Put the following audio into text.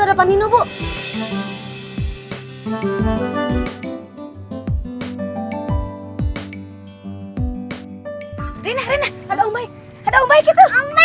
ada sambin dan sambin